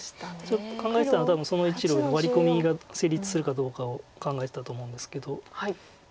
ちょっと考えてたのは多分その１路上のワリコミが成立するかどうかを考えてたと思うんですけど。